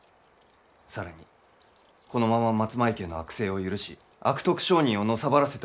さらにこのまま松前家の悪政を許し悪徳商人をのさばらせておけば